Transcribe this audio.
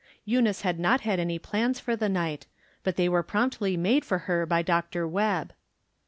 Eunice had not had any plans for the night, but they were promptly made for her by Dr. "Webb.